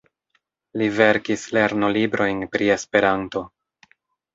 Li verkis lernolibrojn pri Esperanto.